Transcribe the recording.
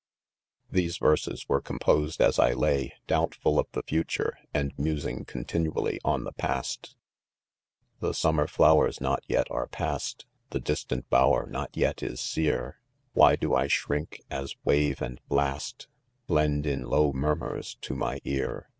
6 These verses were composed as I lay, doubtful of the future, and musing continually on the past. The summer flowers not yet are past, I The distant bower not yet is sear j— Why do I shrink, as wave and, blast Blend in low murmurs to my ear